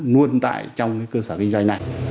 luôn tại trong cơ sở kinh doanh này